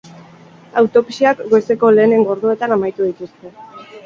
Autopsiak goizeko lehenengo orduetan amaitu dituzte.